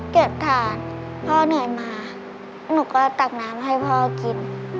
ถาดพ่อเหนื่อยมาหนูก็ตักน้ำให้พ่อกิน